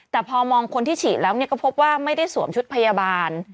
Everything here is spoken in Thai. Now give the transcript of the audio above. แต่พอมองคนที่ฉีดแล้วก็พบว่าไม่ได้สวมชุดพยาบาล